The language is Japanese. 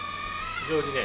非常にね